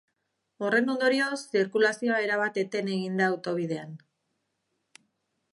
Horren ondorioz, zirkulazioa erabat eten egin da autobidean.